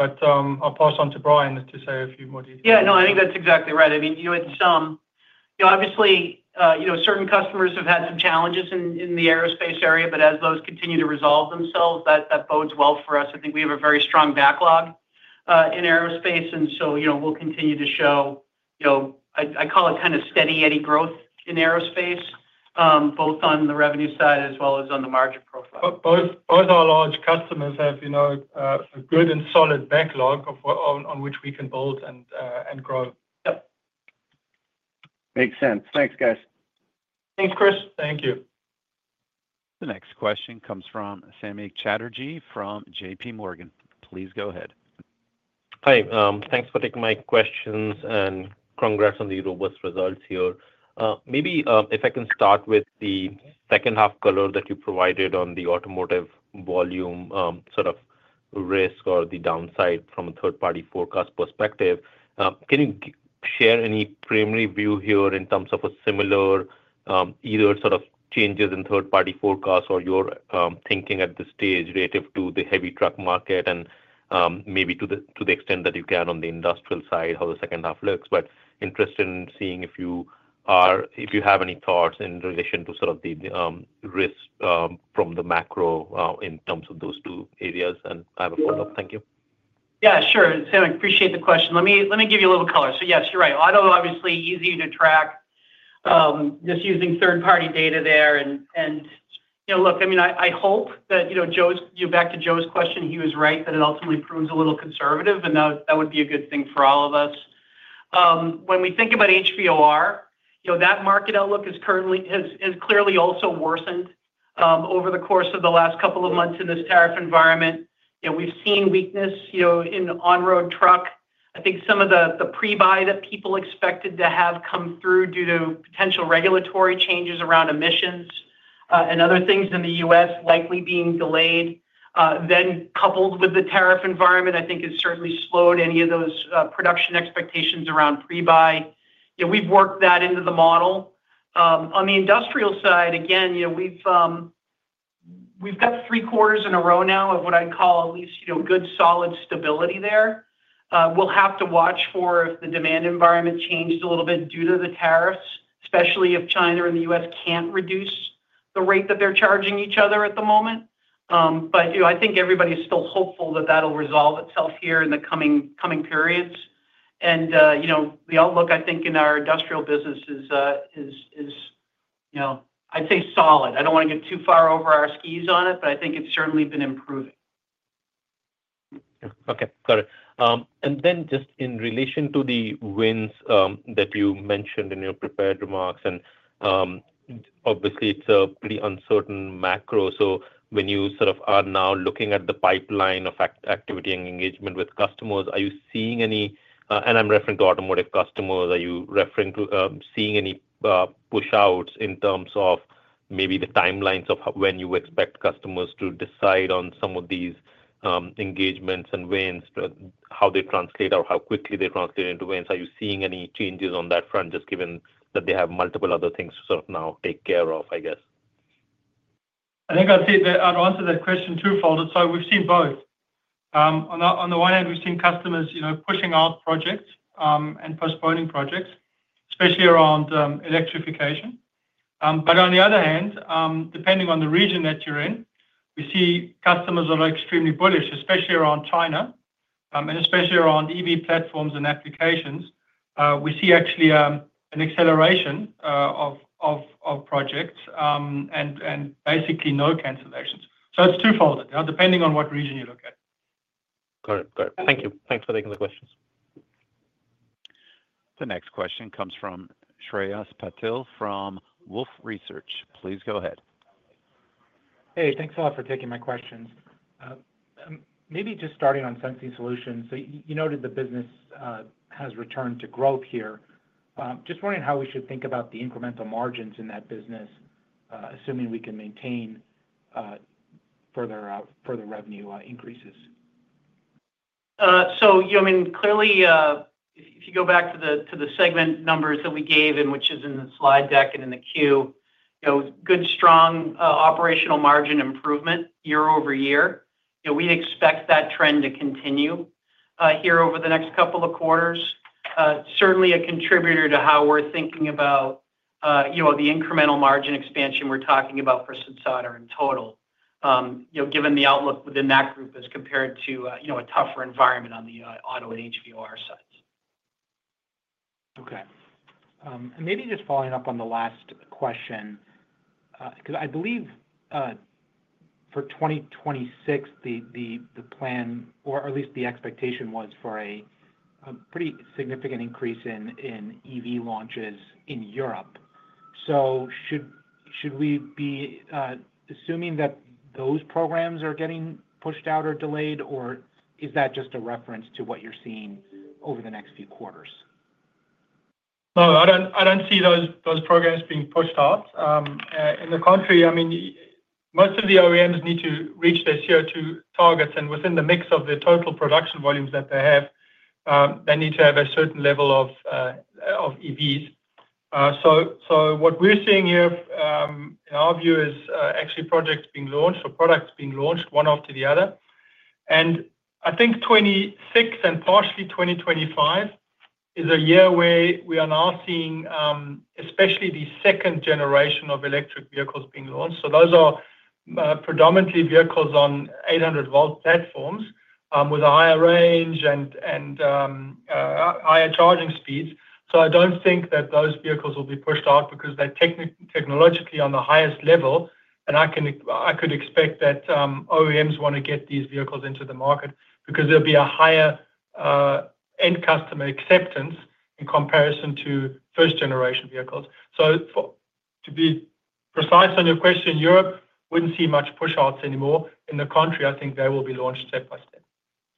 I'll pass on to Brian to say a few more details. Yeah. No, I think that's exactly right. I mean, in some, obviously, certain customers have had some challenges in the aerospace area, but as those continue to resolve themselves, that bodes well for us. I think we have a very strong backlog in aerospace. We'll continue to show, I call it kind of steady-eddy growth in aerospace, both on the revenue side as well as on the margin profile. Both our large customers have a good and solid backlog on which we can build and grow. Yep. Makes sense. Thanks, guys. Thanks, Chris. Thank you. The next question comes from Samik Chatterjee from JPMorgan. Please go ahead. Hi. Thanks for taking my questions and congrats on the robust results here. Maybe if I can start with the second-half color that you provided on the automotive volume sort of risk or the downside from a third-party forecast perspective, can you share any primary view here in terms of a similar either sort of changes in third-party forecast or your thinking at this stage relative to the heavy truck market and maybe to the extent that you can on the industrial side, how the second half looks? Interested in seeing if you have any thoughts in relation to sort of the risk from the macro in terms of those two areas? I have a follow-up. Thank you. Yeah, sure. Samik, I appreciate the question. Let me give you a little color. Yes, you're right. Auto is obviously easier to track just using third-party data there. I mean, I hope that back to Joe's question, he was right that it ultimately proves a little conservative, and that would be a good thing for all of us. When we think about HVOR, that market outlook has clearly also worsened over the course of the last couple of months in this tariff environment. We've seen weakness in on-road truck. I think some of the pre-buy that people expected to have come through due to potential regulatory changes around emissions and other things in the U.S. likely being delayed. Coupled with the tariff environment, I think it certainly slowed any of those production expectations around pre-buy. We've worked that into the model. On the industrial side, again, we've got three quarters in a row now of what I'd call at least good solid stability there. We'll have to watch for if the demand environment changes a little bit due to the tariffs, especially if China and the U.S. can't reduce the rate that they're charging each other at the moment. I think everybody's still hopeful that that'll resolve itself here in the coming periods. The outlook, I think, in our industrial business is, I'd say, solid. I don't want to get too far over our skis on it, but I think it's certainly been improving. Okay. Got it. And then just in relation to the wins that you mentioned in your prepared remarks, and obviously, it's a pretty uncertain macro. When you sort of are now looking at the pipeline of activity and engagement with customers, are you seeing any—and I am referring to automotive customers—are you seeing any push-outs in terms of maybe the timelines of when you expect customers to decide on some of these engagements and wins, how they translate or how quickly they translate into wins? Are you seeing any changes on that front just given that they have multiple other things to sort of now take care of, I guess? I think I would say that I would answer that question two-fold. We have seen both. On the one hand, we have seen customers pushing out projects and postponing projects, especially around electrification. On the other hand, depending on the region that you are in, we see customers that are extremely bullish, especially around China and especially around EV platforms and applications. We see actually an acceleration of projects and basically no cancellations. It is two-fold, depending on what region you look at. Got it. Got it. Thank you. Thanks for taking the questions. The next question comes from Shreyas Patil from Wolfe Research. Please go ahead. Hey, thanks a lot for taking my questions. Maybe just starting on Sensing Solutions, you noted the business has returned to growth here. Just wondering how we should think about the incremental margins in that business, assuming we can maintain further revenue increases? I mean, clearly, if you go back to the segment numbers that we gave and which is in the slide deck and in the queue, good strong operational margin improvement year-over-year. We expect that trend to continue here over the next couple of quarters. Certainly a contributor to how we're thinking about the incremental margin expansion we're talking about for Sensata in total, given the outlook within that group as compared to a tougher environment on the auto and HVOR sides. Okay. Maybe just following up on the last question, because I believe for 2026, the plan, or at least the expectation was for a pretty significant increase in EV launches in Europe. Should we be assuming that those programs are getting pushed out or delayed, or is that just a reference to what you're seeing over the next few quarters? No, I don't see those programs being pushed out. In the country, I mean, most of the OEMs need to reach their CO2 targets. Within the mix of the total production volumes that they have, they need to have a certain level of EVs. What we're seeing here, in our view, is actually projects being launched or products being launched one after the other. I think 2026 and partially 2025 is a year where we are now seeing especially the second generation of electric vehicles being launched. Those are predominantly vehicles on 800-volt platforms with a higher range and higher charging speeds. I do not think that those vehicles will be pushed out because they're technologically on the highest level. I could expect that OEMs want to get these vehicles into the market because there will be a higher end customer acceptance in comparison to first-generation vehicles. To be precise on your question, Europe would not see much push-outs anymore. In the country, I think they will be launched step by step.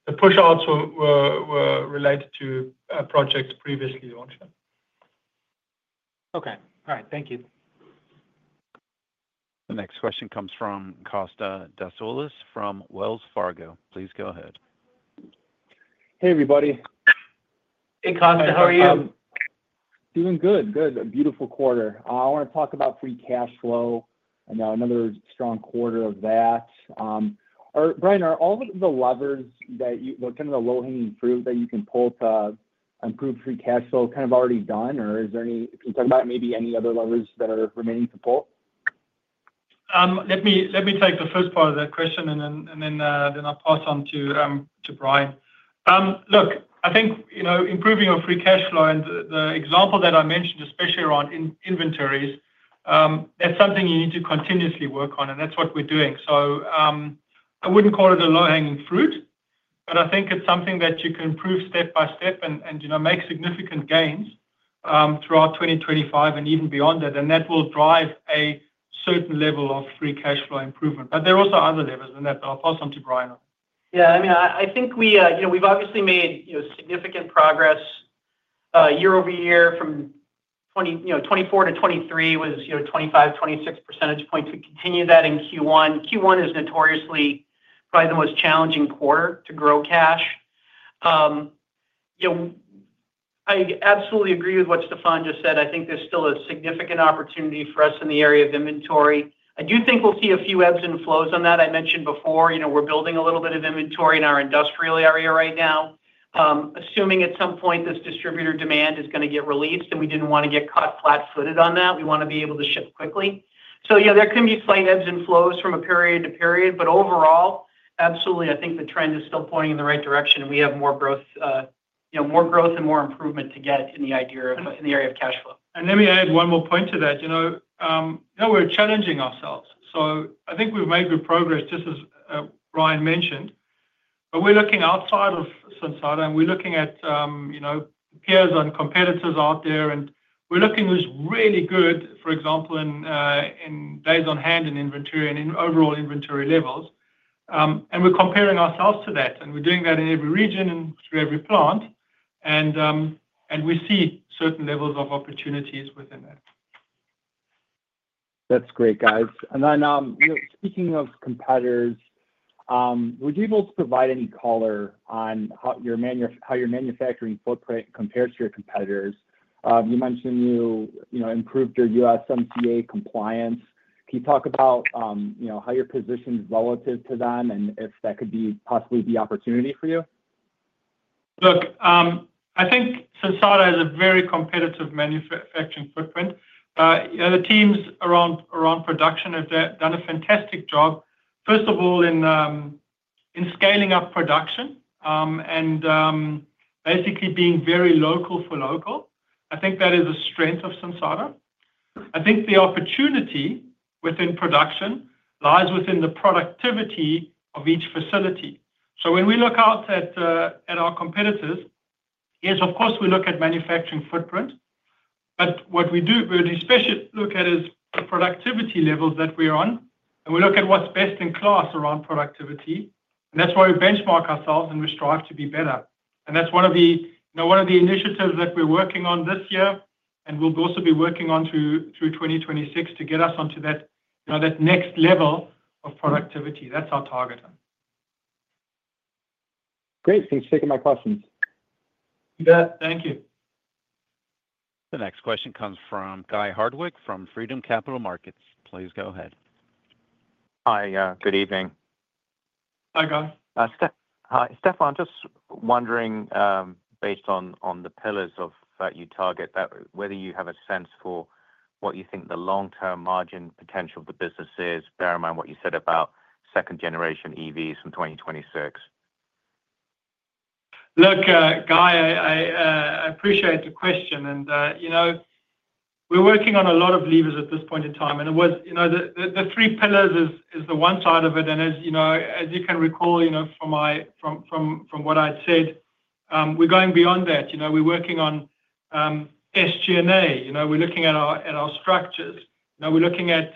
The push-outs were related to projects previously launched. Okay. All right. Thank you. The next question comes from Kosta Tasoulis from Wells Fargo. Please go ahead. Hey, everybody. Hey, Kosta. How are you? Doing good. Good. A beautiful quarter. I want to talk about free cash flow and another strong quarter of that. Brian, are all of the levers that kind of the low-hanging fruit that you can pull to improve free cash flow kind of already done, or is there any—can you talk about maybe any other levers that are remaining to pull? Let me take the first part of that question, and then I'll pass on to Brian. Look, I think improving your free cash flow and the example that I mentioned, especially around inventories, that's something you need to continuously work on. That is what we're doing. I would not call it a low-hanging fruit, but I think it is something that you can improve step by step and make significant gains throughout 2025 and even beyond that. That will drive a certain level of free cash flow improvement. There are also other levers in that, but I will pass on to Brian. Yeah. I mean, I think we have obviously made significant progress year-over-year. From 2024 to 2023 was 25, 26 percentage points. We continued that in Q1. Q1 is notoriously probably the most challenging quarter to grow cash. I absolutely agree with what Stephan just said. I think there is still a significant opportunity for us in the area of inventory. I do think we will see a few ebbs and flows on that. I mentioned before, we're building a little bit of inventory in our industrial area right now, assuming at some point this distributor demand is going to get released, and we didn't want to get caught flat-footed on that. We want to be able to ship quickly. There can be slight ebbs and flows from a period-to-period. Overall, absolutely, I think the trend is still pointing in the right direction. We have more growth and more improvement to get in the area of cash flow. Let me add one more point to that. We're challenging ourselves. I think we've made good progress, just as Brian mentioned. We're looking outside of Sensata, and we're looking at peers and competitors out there. We're looking who's really good, for example, in days on hand in inventory and in overall inventory levels. We're comparing ourselves to that. We're doing that in every region and through every plant. We see certain levels of opportunities within that. That's great, guys. Speaking of competitors, would you be able to provide any color on how your manufacturing footprint compares to your competitors? You mentioned you improved your USMCA compliance. Can you talk about how you're positioned relative to them and if that could possibly be an opportunity for you? Look, I think Sensata has a very competitive manufacturing footprint. The teams around production have done a fantastic job, first of all, in scaling up production and basically being very local for local. I think that is a strength of Sensata. I think the opportunity within production lies within the productivity of each facility. When we look out at our competitors, yes, of course, we look at manufacturing footprint. What we do, we especially look at is the productivity levels that we're on. We look at what's best in class around productivity. That's why we benchmark ourselves and we strive to be better. That's one of the initiatives that we're working on this year and we'll also be working on through 2026 to get us onto that next level of productivity. That's our target. Great. Thanks for taking my questions. You bet. Thank you. The next question comes from Guy Hardwick from Freedom Capital Markets. Please go ahead. Hi. Good evening. Hi, guys. Stephan, just wondering, based on the pillars you target, whether you have a sense for what you think the long-term margin potential of the business is, bear in mind what you said about second-generation EVs from 2026. Look, Guy, I appreciate the question. We're working on a lot of levers at this point in time. The three pillars is the one side of it. As you can recall from what I'd said, we're going beyond that. We're working on SG&A. We're looking at our structures. We're looking at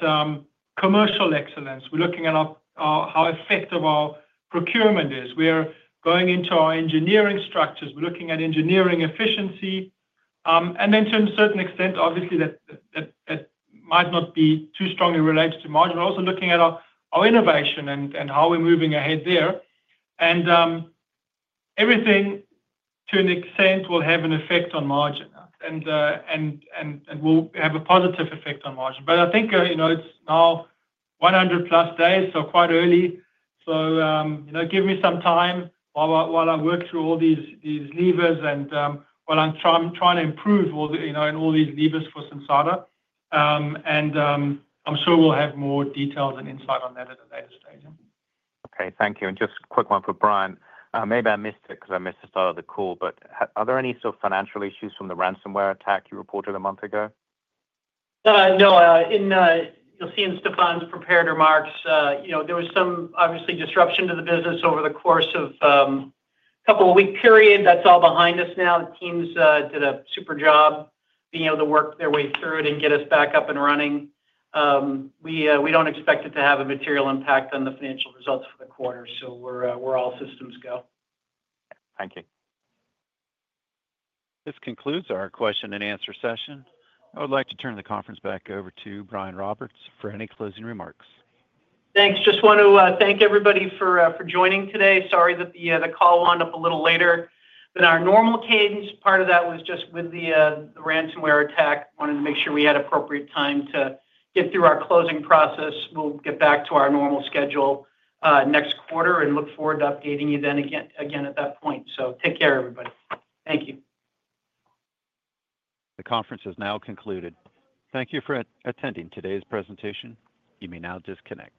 commercial excellence. We're looking at how effective our procurement is. We're going into our engineering structures. We're looking at engineering efficiency. To a certain extent, obviously, that might not be too strongly related to margin. We're also looking at our innovation and how we're moving ahead there. Everything, to an extent, will have an effect on margin, and will have a positive effect on margin. I think it's now 100-plus days, so quite early. Give me some time while I work through all these levers and while I'm trying to improve in all these levers for Sensata. I'm sure we'll have more details and insight on that at a later stage. Okay. Thank you. Just a quick one for Brian. Maybe I missed it because I missed the start of the call, but are there any sort of financial issues from the ransomware attack you reported a month ago? No. You'll see in Stephan's prepared remarks, there was some obviously disruption to the business over the course of a couple-week period. That's all behind us now. The teams did a super job being able to work their way through it and get us back up and running. We don't expect it to have a material impact on the financial results for the quarter, so we're all systems go. Thank you. This concludes our question-and-answer session. I would like to turn the conference back over to Brian Roberts for any closing remarks. Thanks. Just want to thank everybody for joining today. Sorry that the call wound up a little later. In our normal cadence, part of that was just with the ransomware attack. Wanted to make sure we had appropriate time to get through our closing process. We'll get back to our normal schedule next quarter and look forward to updating you then again at that point. Take care, everybody. Thank you. The conference has now concluded. Thank you for attending today's presentation. You may now disconnect.